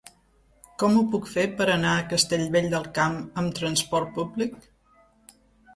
Com ho puc fer per anar a Castellvell del Camp amb trasport públic?